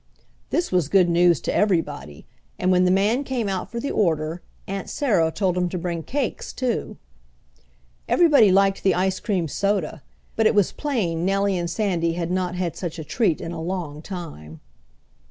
This was good news to everybody, and when the man came out for the order Aunt Sarah told him to bring cakes too. Everybody liked the ice cream soda, but it was plain Nellie and Sandy had not had such a treat in a long time.